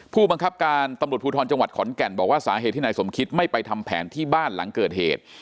ผู้บังคับการตำรวจภูทรจังหวัดขอนแก่นบอกว่าสาเหตุที่นายสมคิตไม่ไปทำแผนที่บ้านหลังเกิดเหตุ